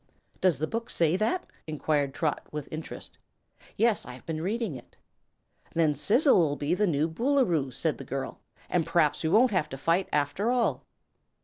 "Does the book say that?" inquired Trot, with interest. "Yes; I've been reading it." "Then Sizzle'll be the new Boolooroo," said the girl, "an' p'raps we won't have to fight, after all."